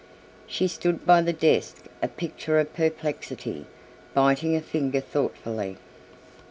She stood by the desk a picture of perplexity, biting a finger thoughtfully.